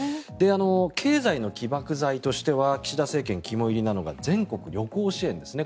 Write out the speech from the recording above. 経済の起爆剤としては岸田政権肝煎りなのが全国旅行支援ですね。